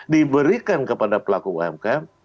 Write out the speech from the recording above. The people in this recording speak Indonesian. diberikan kepada pelaku umkm